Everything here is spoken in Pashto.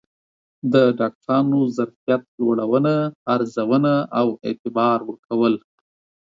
د ډاکترانو ظرفیت لوړونه، ارزونه او اعتبار ورکول